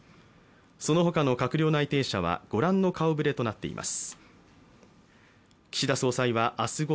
その他の閣僚内定者は御覧の顔ぶれとなっています。